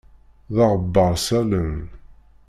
D aɣebbaṛ s allen.